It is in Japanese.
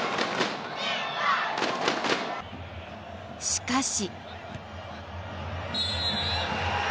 しかし。